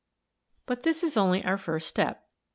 ] "But this is only our first step.